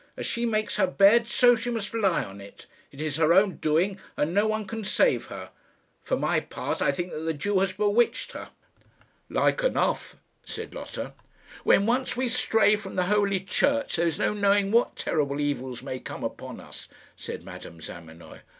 As she makes her bed, so must she lie on it. It is her own doing, and no one can save her. For my part, I think that the Jew has bewitched her." "Like enough," said Lotta. "When once we stray from the Holy Church, there is no knowing what terrible evils may come upon us," said Madame Zamenoy.